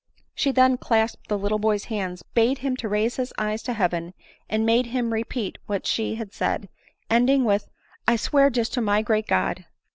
She then clasped the little boy's hands, bade him raise his eyes to heaven, and made him repeat what she had said, ending it with " I swear dis to my great God."